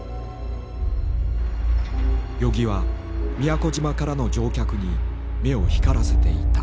与儀は宮古島からの乗客に目を光らせていた。